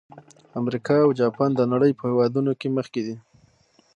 امریکا او جاپان د نړۍ په هېوادونو کې مخکې دي.